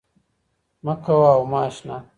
مـــــه كـــــوه او مـــه اشـــنـــا